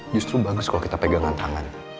justru bagus kalau kita pegangan tangan